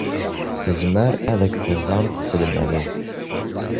Tezmer ad k-tẓer tselmadt.